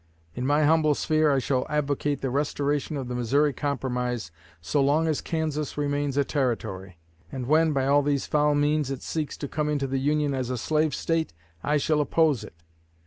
In my humble sphere I shall advocate the restoration of the Missouri Compromise so long as Kansas remains a Territory; and, when, by all these foul means, it seeks to come into the Union as a slave State, I shall oppose it....